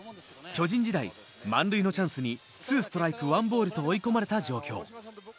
巨人時代満塁のチャンスに２ストライク１ボールと追い込まれた状況。